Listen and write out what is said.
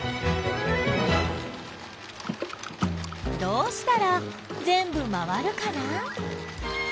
どうしたらぜんぶ回るかな？